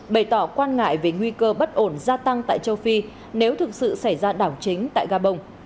bày tỏ quan ngại về nguy cơ bất ổn gia tăng tại châu phi nếu thực sự xảy ra đảo chính tại gabon